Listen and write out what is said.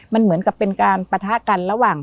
มันเหมือนกับเป็นการปะทะกันระหว่าง